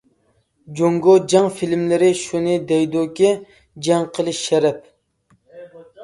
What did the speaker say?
جۇڭگو جەڭ فىلىملىرى شۇنى دەيدۇكى : جەڭ قىلىش شەرەپ!